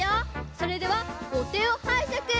それではおてをはいしゃく！